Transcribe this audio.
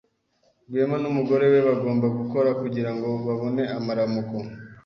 Rwema n'umugore we bombi bagomba gukora kugirango babone amaramuko.